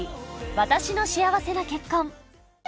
「わたしの幸せな結婚」